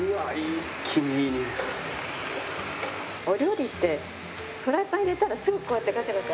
お料理ってフライパン入れたらすぐこうやってガチャガチャ。